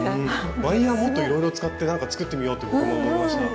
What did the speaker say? ワイヤーもっといろいろ使ってなんか作ってみようと僕も思いました。